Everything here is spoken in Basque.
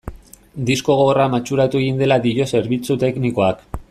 Disko gogorra matxuratu egin dela dio zerbitzu teknikoak.